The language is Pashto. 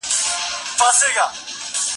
ډیوه رېږدي: تینتنانا تینتنانا